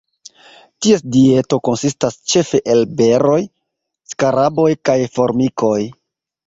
Ties dieto konsistas ĉefe el beroj, skaraboj kaj formikoj.